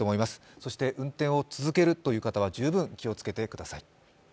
そして、運転を続けるという方は十分気をつけてください。